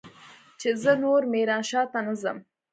چې زه نور ميرانشاه ته نه ځم.